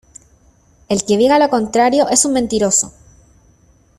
el que diga lo contrario es un mentiroso.